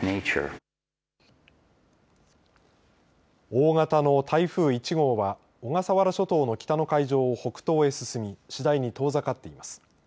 大型の台風１号は小笠原諸島の北の海上を北東へ進み次第に遠ざかっています。